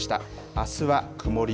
あすは曇り